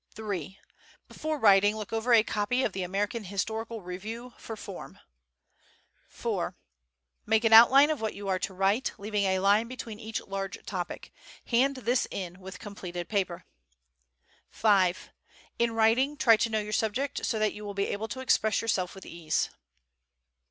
III. Before writing, look over a copy of the "American Historical Review" for form. IV. Make an outline of what you are to write, leaving a line between each large topic. Hand this in with completed paper. V. In writing, try to know your subject so that you will be able to express yourself with ease.